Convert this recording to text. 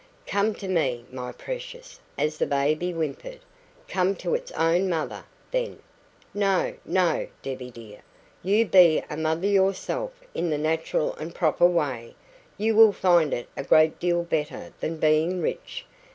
"Come to me, my precious!" as the baby whimpered. "Come to its own mother, then! No, no, Debbie dear, you be a mother yourself in the natural and proper way; you will find it a deal better than being rich.